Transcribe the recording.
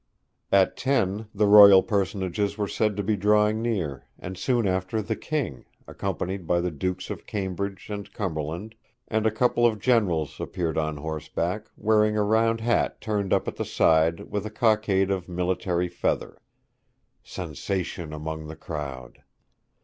At ten the royal personages were said to be drawing near, and soon after the King, accompanied by the Dukes of Cambridge and Cumberland, and a couple of generals, appeared on horseback, wearing a round hat turned up at the side, with a cockade and military feather. (Sensation among the crowd.)